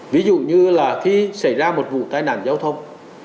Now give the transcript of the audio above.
ví dụ như là khi xảy ra một vụ tai nạn giao thông